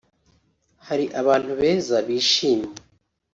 Hari abantu beza bishimye